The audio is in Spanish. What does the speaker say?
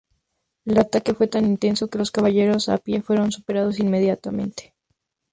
El ataque fue tan intenso que los caballeros a pie fueron superados inmediatamente.